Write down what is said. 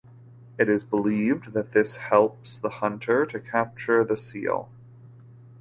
It is believed that this helps the hunter to capture the seal.